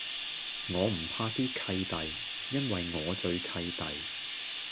我唔怕啲契弟，因為我最契弟